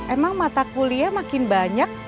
emang mata kuliah makin banyak